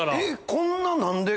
こんな何で。